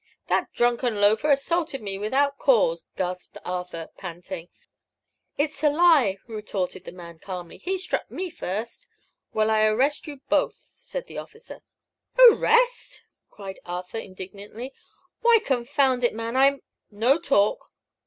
"That drunken loafer assaulted me without cause" gasped Arthur, panting. "It's a lie!" retorted the man, calmly; "he struck me first." "Well, I arrest you both," said the officer. "Arrest!" cried Arthur, indignantly; "why, confound it, man, I'm " "No talk!"